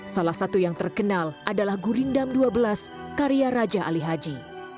salah satu yang terkenal adalah gurindam dua belas karya raja ali haji